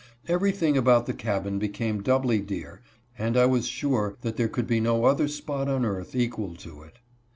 Everything about the cabin became doubly dear and I was sure that there could be no other spot on earth equal to it.